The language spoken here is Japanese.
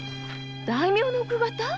大名の奥方？